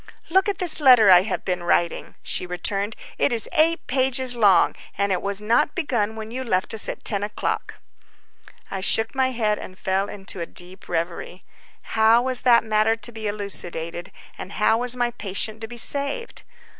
"Look at this letter I have been writing," she returned. "It is eight pages long, and it was not begun when you left us at 10 o'clock." I shook my head and fell into a deep revery. How was that matter to be elucidated, and how was my patient to be saved?